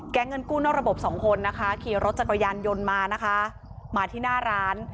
เงินกู้นอกระบบสองคนนะคะขี่รถจักรยานยนต์มานะคะมาที่หน้าร้าน